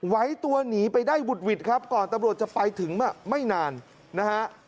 ไว้ตัวหนีไปได้บุดหวิดครับก่อนตำรวจจะไปถึงไม่นานนะฮะ